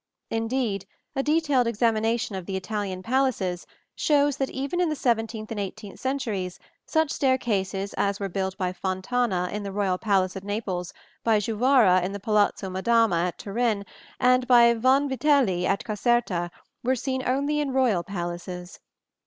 Indeed, a detailed examination of the Italian palaces shows that even in the seventeenth and eighteenth centuries such staircases as were built by Fontana in the royal palace at Naples, by Juvara in the Palazzo Madama at Turin and by Vanvitelli at Caserta, were seen only in royal palaces.